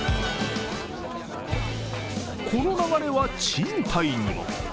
この流れは賃貸にも。